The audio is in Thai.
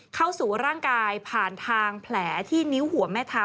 เข้าสู่ร่างกายผ่านทางแผลที่นิ้วหัวแม่เท้า